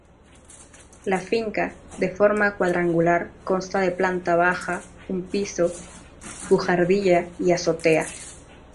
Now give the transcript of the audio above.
La finca, de forma cuadrangular, consta de planta baja, un piso, buhardilla y azotea.